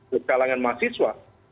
di kalangan mahasiswa